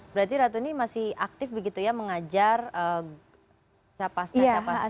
berarti ratu ini masih aktif begitu ya mengajar capaskan capaskan ya